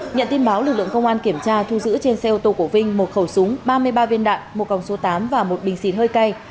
nhận tin báo lực lượng công an kiểm tra thu giữ trên xe ô tô của vinh một khẩu súng ba mươi ba viên đạn một còng số tám và một bình xịt hơi cay